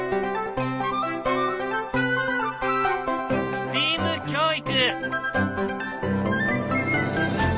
ＳＴＥＡＭ教育。